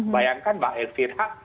bayangkan mbak elvirha